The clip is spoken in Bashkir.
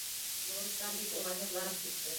Нурислам бик уңайһыҙланып китте.